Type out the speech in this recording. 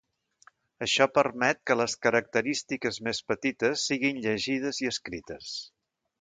Això permet que les característiques més petites siguin llegides i escrites.